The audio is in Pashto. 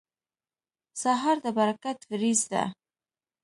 سهار د برکت وریځ ده.